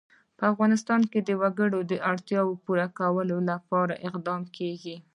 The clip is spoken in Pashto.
په افغانستان کې د وګړي د اړتیاوو پوره کولو لپاره اقدامات کېږي.